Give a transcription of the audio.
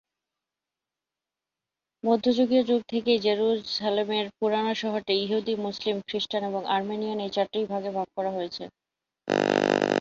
মধ্যযুগীয় যুগ থেকেই, জেরুসালেমের পুরানো শহরটি ইহুদি, মুসলিম, খ্রিস্টান এবং আর্মেনিয়ান এই চারটি ভাগে ভাগ করা হয়েছে।